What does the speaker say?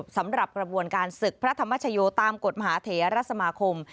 สำหรับกระบวนการศึกพระธรรมชโยตามกฎมหาเถระสมาคม